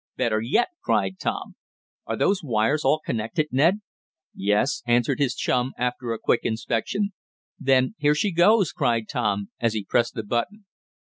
"Better yet!" cried Tom. "Are those wires all connected, Ned?" "Yes," answered his chum, after a quick inspection. "Then here she goes!" cried Tom, as he pressed the button.